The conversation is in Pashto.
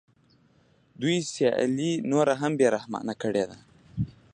دوی سیالي نوره هم بې رحمانه کړې ده